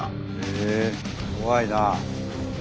え怖いなあ。